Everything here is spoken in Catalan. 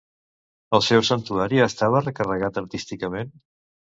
El seu santuari estava recarregat artísticament?